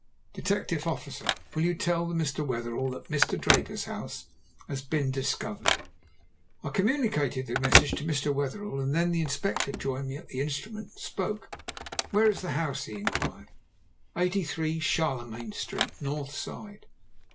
"Detective officer. Will you tell Mr. Wetherell that Mr. Draper's house has been discovered?" I communicated the message to Mr. Wetherell, and then the Inspector joined me at the instrument and spoke. "Where is the house?" he inquired. "83, Charlemagne Street north side."